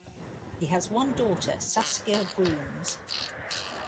He has one daughter, Saskia Grooms.